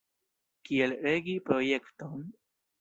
Kiel regi projekton?